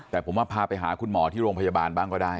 แต่ผมว่าพาไปหาคุณหมอที่โรงพยาบาลบ้างก็ได้